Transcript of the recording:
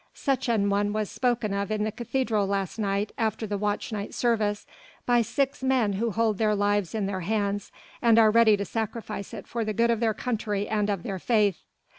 Such an one was spoken of in the cathedral last night after watch night service by six men who hold their lives in their hands and are ready to sacrifice it for the good of their country and of their faith."